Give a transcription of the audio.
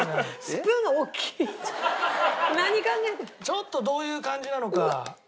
ちょっとどういう感じなのか。